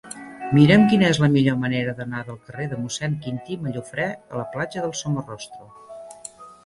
Mira'm quina és la millor manera d'anar del carrer de Mossèn Quintí Mallofrè a la platja del Somorrostro.